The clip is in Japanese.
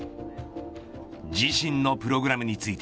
自身のプログラムについて